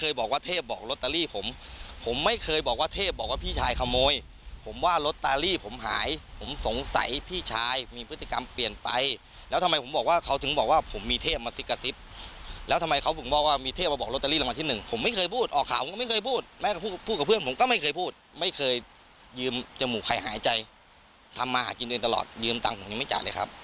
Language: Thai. ยืมจมูกใครหายใจทำมาหากินเดือนตลอดยืมตังคงยังไม่จ่ายเลยครับ